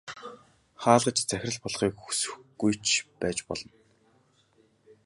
Хаалгач захирал болохыг хүсэхгүй ч байж болно.